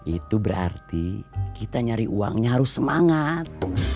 itu berarti kita nyari uangnya harus semangat